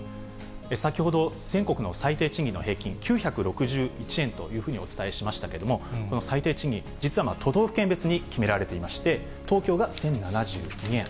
先ほど、全国の最低賃金の平均、９６１円というふうにお伝えしましたけれども、この最低賃金、実は都道府県別に決められていまして、東京が１０７２円。